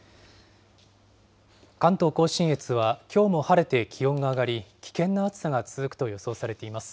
関東甲信越は、きょうも晴れて気温が上がり、危険な暑さが続くと予想されています。